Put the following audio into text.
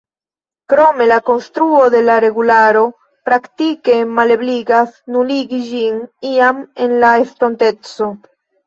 Krome, la konstruo de la regularo praktike malebligas nuligi ĝin iam en la estonteco.